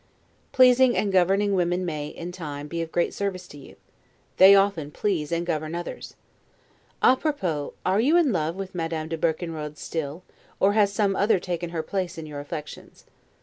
Pleasing and governing women may, in time, be of great service to you. They often please and govern others. 'A propos', are you in love with Madame de Berkenrode still, or has some other taken her place in your affections?